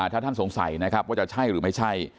ถ้าท่านสงสัยนะครับว่าจะใช่หรือไม่ใช่